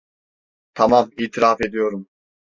Tamam, itiraf ediyorum.